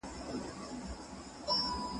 مطالعه د ژوند د بریالیتوب کیلي ده.